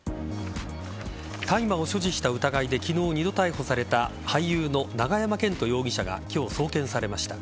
大麻を所持した疑いで昨日２度逮捕された俳優の永山絢斗容疑者が今日、送検されました。